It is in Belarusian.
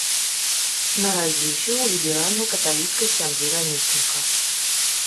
Нарадзіўся ў ліберальнай каталіцкай сям'і рамесніка.